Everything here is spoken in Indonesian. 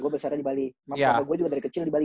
gue besarnya di bali